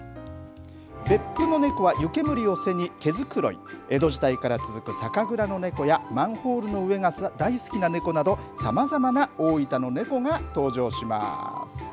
別府の猫は湯煙を背に毛づくろい江戸時代から続く酒蔵の猫やマンホールの上が大好きな猫などさまざまな大分の猫が登場します。